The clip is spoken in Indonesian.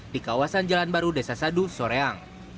di kawasan jalan baru desa sadu soreang